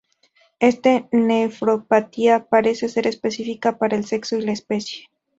Esta nefropatía parece ser específica para el sexo y la especie.